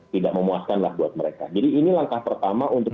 tidak memuaskanlah buat mereka jadi ini langkah pertama untuk